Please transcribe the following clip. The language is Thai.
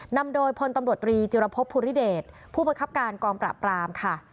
นำโดยพลตำรวจตรีจิรพบภูริเดชผู้ประคับการกองปราบรามค่ะ